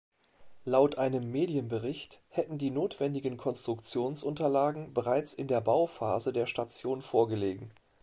Laut einem Medienbericht hätten die notwendigen Konstruktionsunterlagen bereits in der Bauphase der Station vorgelegen.